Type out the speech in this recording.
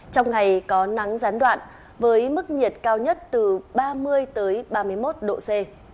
trong ngày có nắng gián đoạn với mức nhiệt cao nhất từ ba mươi ba mươi một độ c